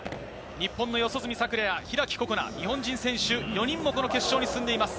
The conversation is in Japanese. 日本の四十住さくらや開心那、日本人選手４人もこの決勝に進んでいます。